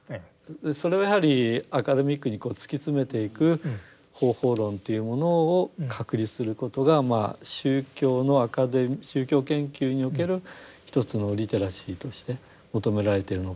それをやはりアカデミックに突き詰めていく方法論というものを確立することがまあ宗教のアカデミー宗教研究における一つのリテラシーとして求められてるのかなと思っております。